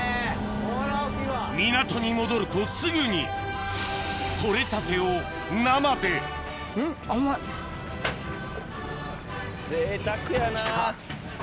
港に戻るとすぐに取れたてを生で贅沢やな。